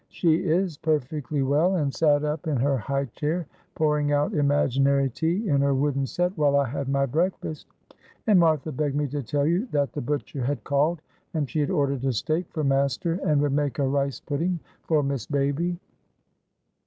She is perfectly well, and sat up in her high chair pouring out imaginary tea in her wooden set while I had my breakfast, and Martha begged me to tell you 'that the butcher had called, and she had ordered a steak for master, and would make a rice pudding for Miss Baby.'"